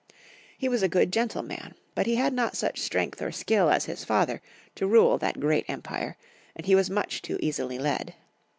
He was a good, gentle man, but he had not such strength or skill as liis father to rule that great empire, and he was much too easily led.